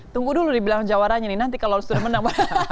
tunggu dulu dibilang jawaranya nih nanti kalau sudah menang